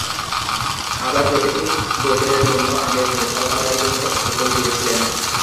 আবার প্রতিটি গোত্রের একজন আমীর নির্ধারণ করার জন্যে হুকুম দিয়েছিলেন।